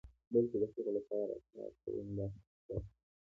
بلکې د هغو لپاره کار کوم دا حقیقت دی.